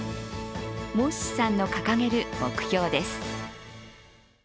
モッシさんの掲げる目標です。